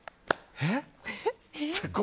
えっ？